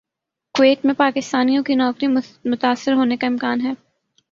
Kuwait میں پاکستانیوں کی نوکریاں متاثر ہونے کا امکان ہے